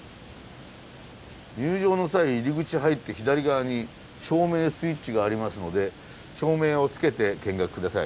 「入場の際入口入って左側に照明スイッチがありますので照明を付けて見学下さい」と。